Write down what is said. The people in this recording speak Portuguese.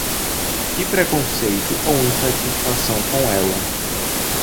Que preconceito ou insatisfação com ela